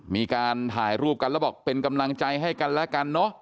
มีการถ่ายรูปกันแล้วบอกเป็นกำลังใจให้กันแล้วกันเนอะ